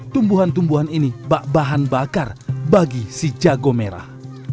tumbuhan tumbuhan ini bak bahan bakar bagi si jago merah